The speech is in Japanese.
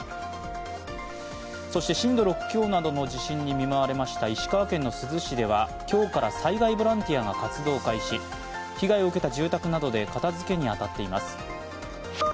そして震度６強などの地震に見舞われました石川県の珠洲市では今日から災害ボランティアが活動開始。被害を受けた住宅などで片づけに当たっています。